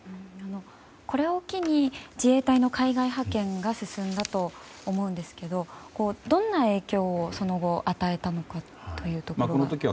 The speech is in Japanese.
これを機に自衛隊の海外派遣が進んだと思うんですけどもどんな影響をその後、与えたのかというところは。